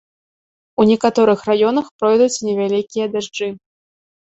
У некаторых раёнах пройдуць невялікія дажджы.